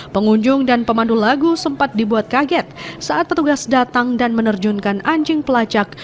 pengunjung dan pemandu lagu sempat dibuat kaget saat petugas datang dan menerjunkan anjing pelacak